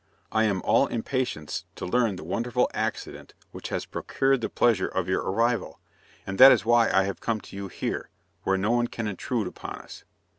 I am all impatience to learn the wonderful accident which has procured the pleasure of your arrival, and that is why I have come to you here, where no one can intrude upon us.